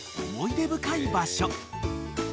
思い出深い場所］